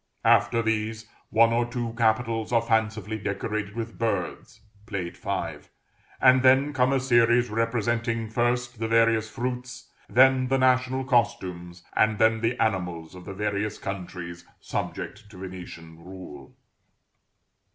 After these, one or two capitals are fancifully decorated with birds (Plate V.), and then come a series representing, first the various fruits, then the national costumes, and then the animals of the various countries subject to Venetian rule.